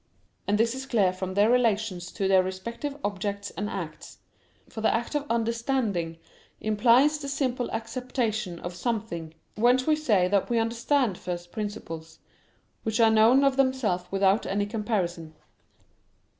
And this is clear from their relations to their respective objects and acts. For the act of understanding implies the simple acceptation of something; whence we say that we understand first principles, which are known of themselves without any comparison.